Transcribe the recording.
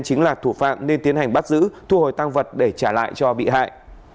chính là thủ phạm nên tiến hành bắt giữ thu hồi tăng vật để trả lại cho bị hại